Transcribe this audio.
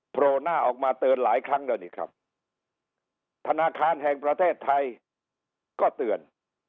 โผล่หน้าออกมาเตือนหลายครั้งแล้วนี่ครับธนาคารแห่งประเทศไทยก็เตือน